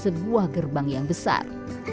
sebuah gerbang yang besar